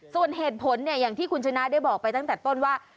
ส่วนเหตุผลเนี่ยอย่างที่คุณชนะได้บอกไปตั้งแต่ต้นว่า